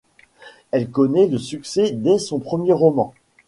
Elle connaît le succès dès son premier roman.